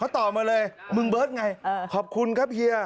ตอบมาเลยมึงเบิร์ตไงขอบคุณครับเฮีย